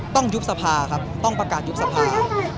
ยุบสภาครับต้องประกาศยุบสภา